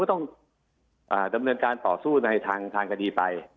ต้องดำเนินการต่อสู้ในทางคดีไป